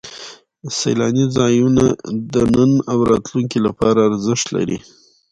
سیلاني ځایونه د نن او راتلونکي لپاره ارزښت لري.